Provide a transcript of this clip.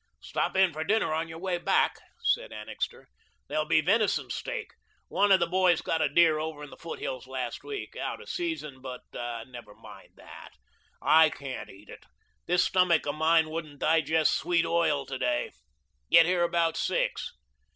"Stop in for dinner on your way back," said Annixter. "There'll be a venison steak. One of the boys got a deer over in the foothills last week. Out of season, but never mind that. I can't eat it. This stomach of mine wouldn't digest sweet oil to day. Get here about six."